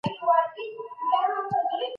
مالي سیستم ثبات درلود.